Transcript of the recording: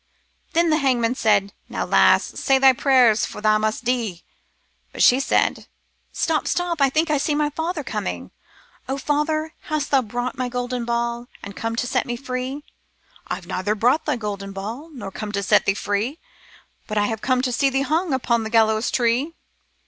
"Then the hangman said, 'Now, lass, say thy prayers, for tha' must dee/ But she said :.' Stop, stop, I think I see my father coming ! O father ! hast brought my golden ball And come to set me free ?'* IVe neither brought thy golden ball Nor come to set thee free, But I have come to see thee hung Upon this gallows tree.'